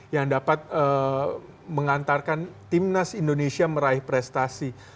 yang dapat mengantarkan tim nasi indonesia meraih prestasi